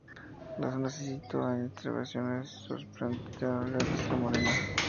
La zona se sitúa en las estribaciones septentrionales de Sierra Morena.